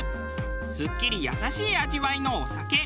スッキリ優しい味わいのお酒。